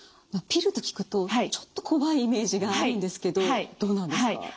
ピルと聞くとちょっと怖いイメージがあるんですけどどうなんですか？